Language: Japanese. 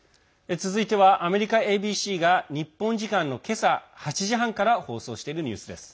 続いてはアメリカＡＢＣが日本時間の今朝８時半から放送しているニュースです。